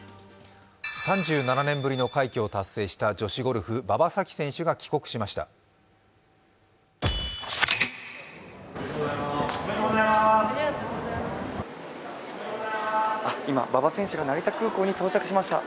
３７年ぶりの快挙を達成した女子ゴルフ、馬場咲希選手が帰国しました。